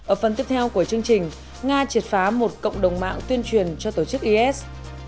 ở phần tiếp theo của chương trình nga triệt phá một cộng đồng mạng tuyên truyền cho tổ chức is